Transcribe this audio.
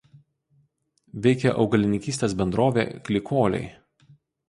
Veikia augalininkystės bendrovė „Klykoliai“.